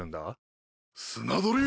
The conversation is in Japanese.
スナドリ！